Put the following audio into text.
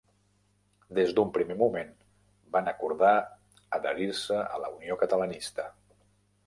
Des d'un primer moment van acordar adherir-se a la Unió Catalanista.